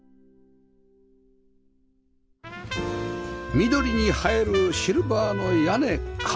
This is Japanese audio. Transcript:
緑に映えるシルバーの屋根壁